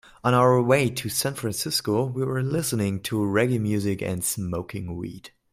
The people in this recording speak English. On our way to San Francisco, we were listening to reggae music and smoking weed.